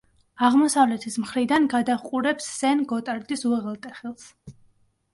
აღმოსავლეთის მხრიდან გადაჰყურებს სენ-გოტარდის უღელტეხილს.